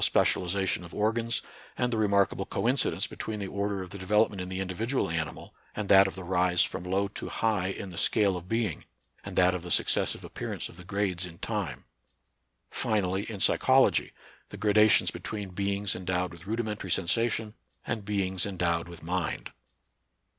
specialization of organs, and the remarkable co incidence between the order of the development in the individual animal and that of the rise from low to high in the scale of being, and that of the successive appearance of the grades in time ; finally in psychology, the gradations be tween beings endowed with rudimentary sensar tion and beings endowed with mind.